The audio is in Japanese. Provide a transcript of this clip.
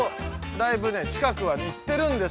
だいぶね近くはいってるんですけど。